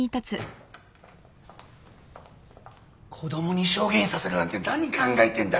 子供に証言させるなんて何考えてんだよ！